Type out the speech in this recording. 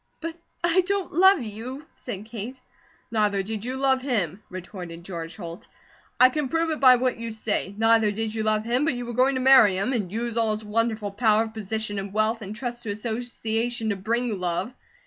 "But I don't love you," said Kate. "Neither did you love him," retorted George Holt. "I can prove it by what you say. Neither did you love him, but you were going to marry him, and use all his wonderful power of position and wealth, and trust to association to BRING love.